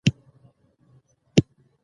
تالابونه د افغان ښځو په ژوند کې رول لري.